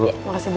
terima kasih bu